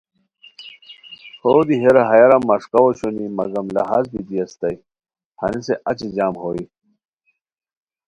ہو دی ہیرا ہیارا مسکاؤ اوشونی مگم لہاز بیتی استائے ہنیسے اچی جم ہوئے